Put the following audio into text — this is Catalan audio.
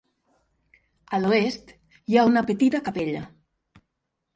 A l'oest hi ha una petita capella.